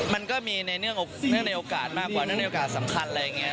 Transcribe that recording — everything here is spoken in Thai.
มันก็มีในเนื่องในโอกาสมากกว่าเนื่องในโอกาสสำคัญอะไรอย่างนี้